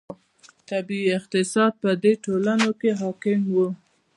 طبیعي اقتصاد په دې ټولنو کې حاکم و.